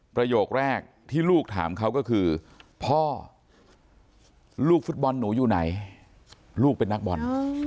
ประโยคแรกที่ลูกถามเขาก็คือพ่อลูกฟุตบอลหนูอยู่ไหนลูกเป็นนักบอล